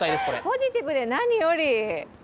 ポジティブで何より！